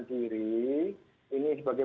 diri ini sebagai